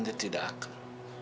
dan tidak akan